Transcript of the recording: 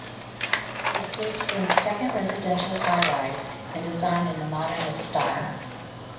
It is Brisbane’s second residential high rise and designed in the Modernist style.